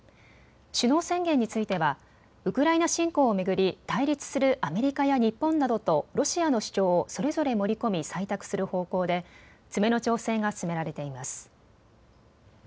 首脳宣言についてはウクライナ侵攻を巡り対立するアメリカや日本などとロシアの主張をそれぞれ盛り込み採択する方向で詰めの調整が進められています。